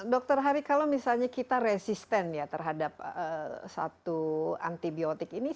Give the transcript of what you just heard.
dokter hari kalau misalnya kita resisten ya terhadap satu antibiotik ini